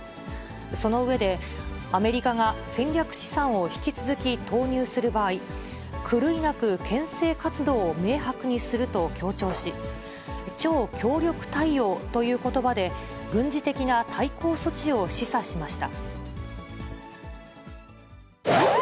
その上で、アメリカが戦略資産を引き続き投入する場合、狂いなくけん制活動を明白にすると強調し、超強力対応ということばで軍事的な対抗措置を示唆しました。